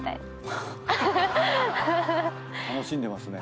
楽しんでますね。